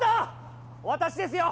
私ですよ